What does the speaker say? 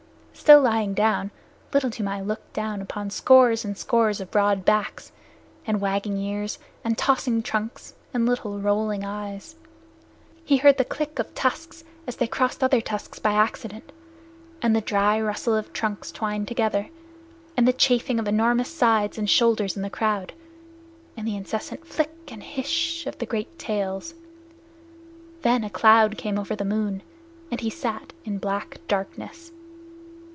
Still lying down, Little Toomai looked down upon scores and scores of broad backs, and wagging ears, and tossing trunks, and little rolling eyes. He heard the click of tusks as they crossed other tusks by accident, and the dry rustle of trunks twined together, and the chafing of enormous sides and shoulders in the crowd, and the incessant flick and hissh of the great tails. Then a cloud came over the moon, and he sat in black darkness.